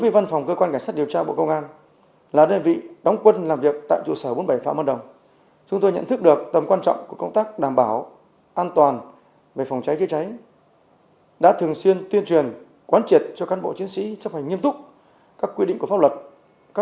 đối với các đơn vị và cán bộ chiến sĩ đóng quân tại bốn mươi bảy phạm văn đồng sẽ ý thức hơn được nguy cơ mất an toàn về phòng cháy chữa cháy chủ động có phương án để giải quyết tình huống tại bốn mươi bảy phạm văn đồng